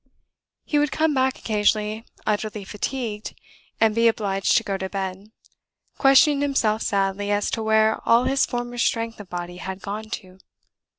He would come back occasionally utterly fatigued; and be obliged to go to bed, questioning himself sadly as to where all his former strength of body had gone to.